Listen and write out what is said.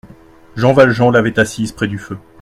Jean Valjean l'avait assise près du feu.